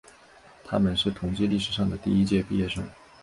他们是同济历史上的第一届毕业生。